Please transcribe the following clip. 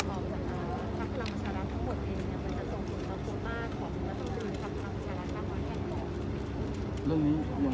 การลองออกของนัทธรรมกุรีสินเอ่อสามท่านเมื่อวานเนี้ย